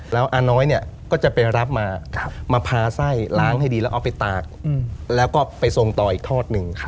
แล้วอาน้อยเนี่ยก็จะไปรับมามาพาไส้ล้างให้ดีแล้วเอาไปตากแล้วก็ไปส่งต่ออีกทอดหนึ่ง